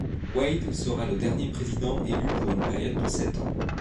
Wade sera le dernier président élu pour une période de sept ans.